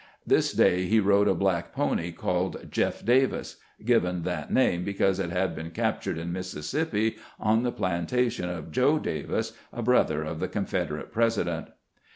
This day he rode a black pony called "Jeff Davis" (given that name because it had been captured in Mississippi on the plantation of Joe Davis, a brother of the Confeder ate president).